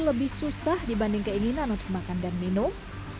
lebih susah dibanding keinginan untuk makan dan minum